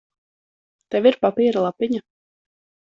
Tev ir papīra lapiņa?